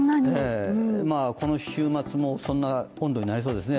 この週末もそんな温度になりそうですね